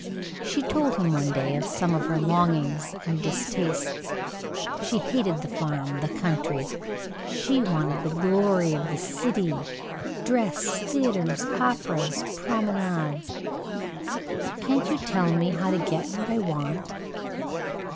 She told him one day of some of her longings and distastes. She hated the farm, the country. She wanted the glory of the city dress, theaters, operas, promenades. "Can't you tell me how to get what I want?"